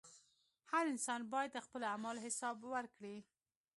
• هر انسان باید د خپلو اعمالو حساب ورکړي.